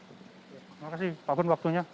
terima kasih pak gun waktunya